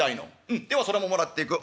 うんではそれももらっていく。